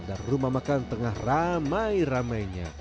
dan rumah makan tengah ramai ramainya